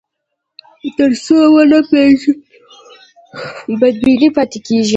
تر څو ونه پېژنو، بدبیني پاتې کېږي.